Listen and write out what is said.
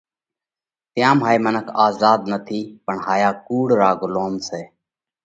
تيام هائي منک آزاڌ نٿِي پڻ هايا ڪُوڙ را ڳُلوم سئہ۔